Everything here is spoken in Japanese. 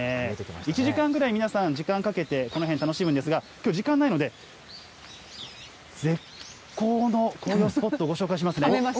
１時間ぐらい皆さん、時間かけて、この辺、楽しむんですが、きょう時間ないので、絶好の紅葉スポット、ご紹介しますね。